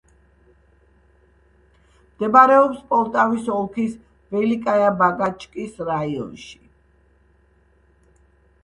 მდებარეობს პოლტავის ოლქის ველიკაია-ბაგაჩკის რაიონში.